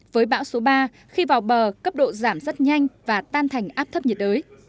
với bão số ba khi vào bờ cấp độ giảm rất nhanh và tan thành áp thấp nhiệt đới